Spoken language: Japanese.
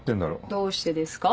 どうしてですか？